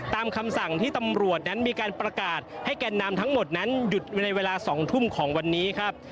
คำสั่งที่ตำรวจนั้นมีการประกาศให้แกนนำทั้งหมดนั้นหยุดในเวลา๒ทุ่มของวันนี้ครับ